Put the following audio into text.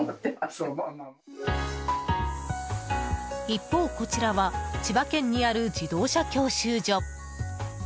一方、こちらは千葉県にある自動車教習所。